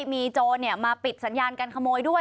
มีโจรมาปิดสัญญาการขโมยด้วย